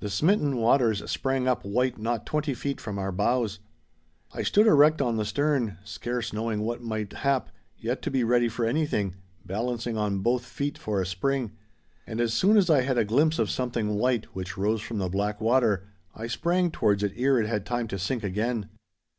The smitten waters sprang up white not twenty feet from our bows. I stood erect on the stern, scarce knowing what might hap, yet to be ready for anything, balancing on both feet for a spring. And as soon as I had a glimpse of something white which rose from the black water, I sprang towards it ere it had time to sink again.